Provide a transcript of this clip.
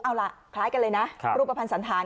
เอาล่ะคล้ายกันเลยนะรูปภัณฑ์สันธาร